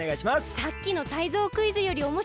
さっきの「タイゾウクイズ」よりおもしろそう！